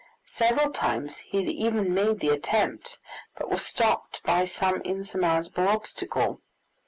Several times had he even made the attempt, but was stopped by some insurmountable obstacle.